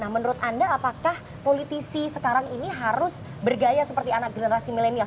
nah menurut anda apakah politisi sekarang ini harus bergaya seperti anak generasi milenial